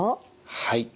はい。